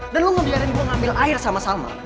dan lo membiarkan gue ngambil air sama salma